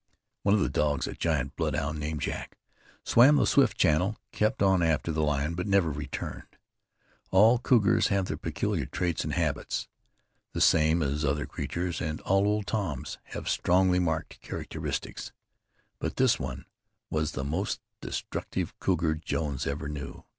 One of the dogs, a giant bloodhound named Jack, swam the swift channel, kept on after the lion, but never returned. All cougars have their peculiar traits and habits, the same as other creatures, and all old Toms have strongly marked characteristics, but this one was the most destructive cougar Jones ever knew.